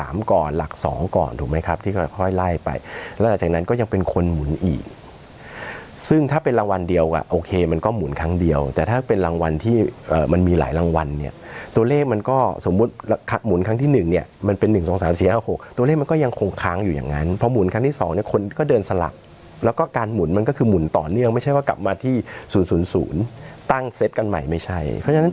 มันคือคนหมุนอีกซึ่งถ้าเป็นรางวัลเดียวก็โอเคมันก็หมุนครั้งเดียวแต่ถ้าเป็นรางวัลที่มันมีหลายรางวัลเนี่ยตัวเลขมันก็สมมุติขัดหมุนครั้งที่๑เนี่ยมันเป็น๑๒๓๔๕๖ตัวเลขมันก็ยังคงค้างอยู่อย่างนั้นพอหมุนครั้งที่๒เนี่ยคนก็เดินสลักแล้วก็การหมุนมันก็คือหมุนต่อเนื่องไม่ใช่ว่ากลับมาที่